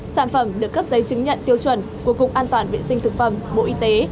sản phẩm được cấp giấy chứng nhận tiêu chuẩn của cục an toàn vệ sinh thực phẩm bộ y tế